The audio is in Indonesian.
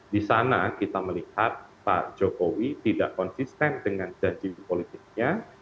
di sana kita melihat pak jokowi tidak konsisten dengan janji politiknya